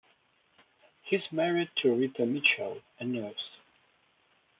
He is married to Rita Michel, a nurse.